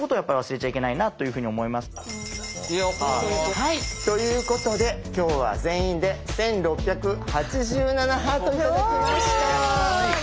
はいということで今日は全員で１６８７ハート頂きました。